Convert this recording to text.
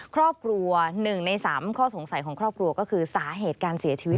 ครอบครัว๑ใน๓ข้อสงสัยของครอบครัวก็คือสาเหตุการเสียชีวิต